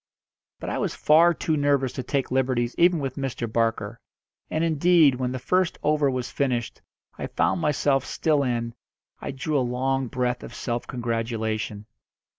But I was far too nervous to take liberties even with Mr. Barker. And, indeed, when the first over was finished, and I found myself still in, I drew a long breath of self congratulation.